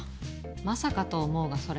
まさかと思うがそれ。